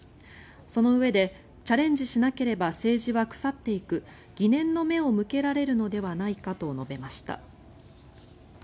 そのうえでチャレンジしなければ政治は腐っていく疑念の目を向けられるのではないかと述べました。